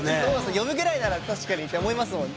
呼ぶぐらいなら確かにって思いますもん。